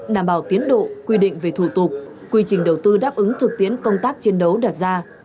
đảm bảo tiến độ quy định về thủ tục quy trình đầu tư đáp ứng thực tiến công tác chiến đấu đạt ra